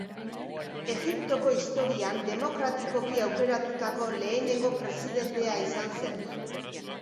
Egiptoko historian demokratikoki aukeratutako lehenengo presidentea izan zen.